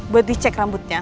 buat dicek rambutnya